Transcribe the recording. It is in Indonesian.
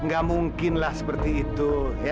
gak mungkinlah seperti itu